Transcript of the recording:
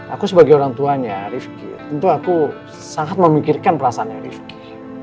aku sebagai orang tuanya rifki tentu aku sangat memikirkan perasaannya rifki